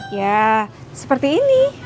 ya seperti ini